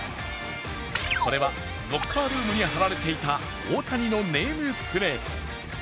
これはロッカールームに貼られていた大谷のネームプレート。